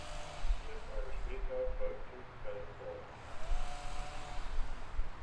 Vier Tage später folgte Sky Sports.